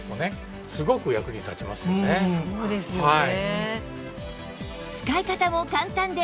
そうですよね。